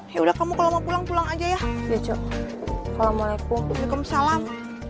ya udah kamu kalau mau pulang pulang aja ya ya cukup alamualaikum salam